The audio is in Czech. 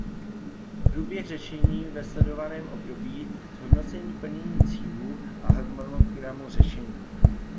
Průběh řešení ve sledovaném období, zhodnocení plnění cílů a harmonogramu řešení.